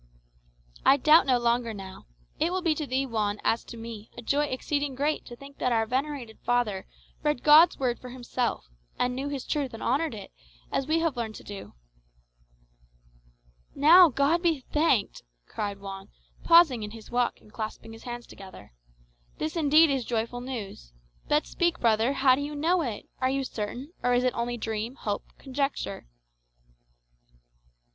"I doubt no longer now. It will be to thee, Juan, as to me, a joy exceeding great to think that our venerated father read God's Word for himself, and knew his truth and honoured it, as we have learned to do." "Now, God be thanked!" cried Juan, pausing in his walk and clasping his hands together. "This indeed is joyful news. But speak, brother; how do you know it? Are you certain, or is it only dream, hope, conjecture?"